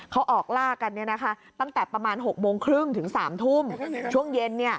เขาออกล่ากันตั้งแต่ประมาณ๖โมงครึ่งถึง๓ทุ่มช่วงเย็น